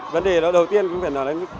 vấn đề đó đầu tiên cũng phải nói đến